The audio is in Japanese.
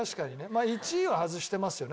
まあ１位は外してますよね。